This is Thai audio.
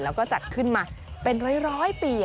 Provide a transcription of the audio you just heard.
แล้วก็จัดขึ้นมาเป็นร้อยปี